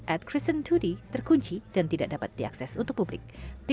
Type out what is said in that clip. at kristen dua d terkunci dan tidak dapat diakses untuk publik